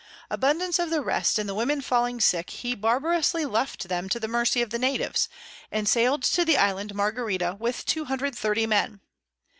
Abundance of the rest and the Women falling sick, he barbarously left them to the mercy of the Natives, and sail'd to the Island Margarita with 230 Men.